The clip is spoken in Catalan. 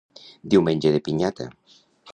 Diumenge de pinyata.